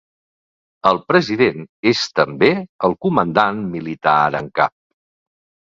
El president és també el comandant militar en cap.